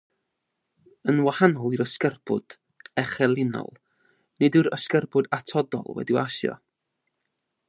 Yn wahanol i'r ysgerbwd echelinol, nid yw'r ysgerbwd atodol wedi asio.